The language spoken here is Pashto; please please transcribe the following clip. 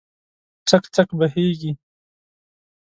څک، څک بهیږې